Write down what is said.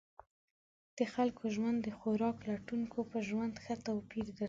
د خلکو ژوند د خوراک لټونکو په ژوند ښه توپیر درلود.